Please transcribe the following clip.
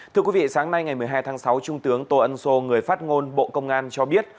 thưa quý vị sáng nay ngày một mươi hai tháng sáu trung tướng tô ân sô người phát ngôn bộ công an cho biết